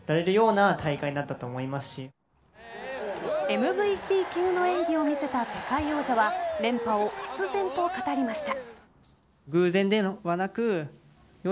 ＭＶＰ級の演技を見せた世界王者は連覇を必然と語りました。